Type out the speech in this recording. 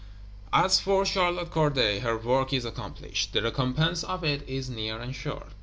As for Charlotte Corday, her work is accomplished; the recompense of it is near and sure.